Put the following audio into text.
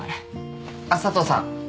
あっ佐藤さん。